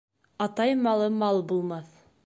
Атай малы мал булмаҫ.